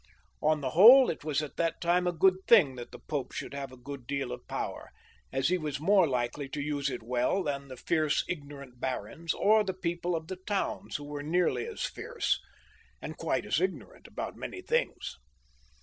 On the whole, it was at that time a good thing that the Pope should have a good deal of power, as he was more likely to use it well than the fierce ignorant barons, or the people of the towns, who were nearly as fierce, and quite as ignorant about many things.